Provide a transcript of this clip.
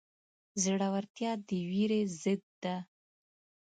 زړورتیا د وېرې ضد ده.